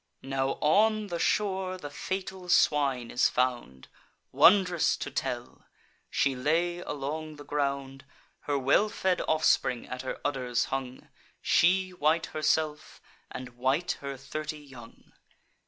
Now on the shore the fatal swine is found. Wond'rous to tell!—She lay along the ground: Her well fed offspring at her udders hung; She white herself, and white her thirty young.